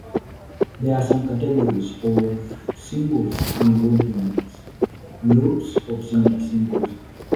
There are some "categories" of symbols in Webdings; groups of similar symbols.